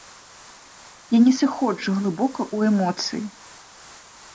Я не сыходжу глыбока ў эмоцыі.